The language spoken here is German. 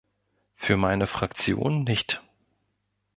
Für meine Fraktion nicht.